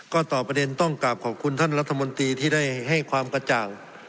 ก็ตอบประเด็นต้องกลับขอบคุณท่านรัฐมนตรีที่ได้ให้ความกระจ่าง